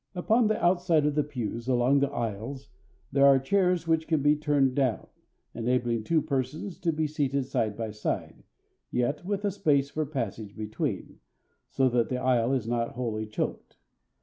Upon the outside of the pews along the aisles there are chairs which can be turned down, enabling two persons to be seated side by side, yet with a space for passage between, so that the aisle is not wholly choked.